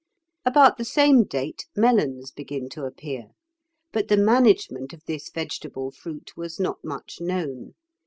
About the same date melons begin to appear; but the management of this vegetable fruit was not much known.